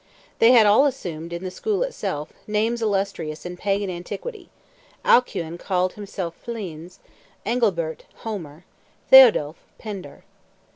They had all assumed, in the school itself, names illustrious in pagan antiquity; Alcuin called himself Flaeens; Angilbert, Homer; Theodulph, Pindar.